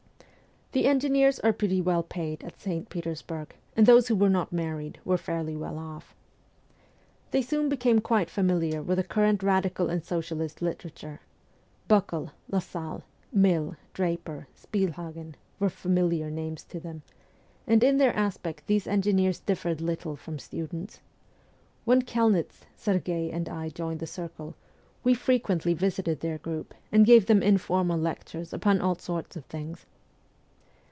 The engineers are pretty well paid at St. Petersburg, and those who were not married were fairly well off. They soon became quite familiar with the current radical and socialist literature Buckle, Lassalle, Mill, Draper, Spielhagen, were familiar names to them ; and in their aspect these engineers differed . little from 118 MEMOIRS OF A REVOLUTIONIST students. When Kelnitz, Sergh^i, and I joined the circle, we frequently visited their group, and gave them informal lectures upon all sorts of things.